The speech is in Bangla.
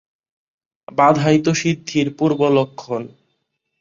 বাধাই তো সিদ্ধির পূর্ব লক্ষণ।